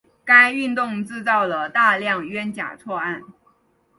该运动制造了大量冤假错案。